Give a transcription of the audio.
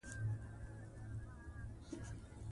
ازادي راډیو د د بیان آزادي په اړه د ټولنې د ځواب ارزونه کړې.